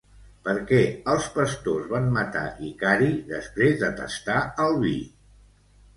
Per què els pastors van matar Icari després de tastar el vi?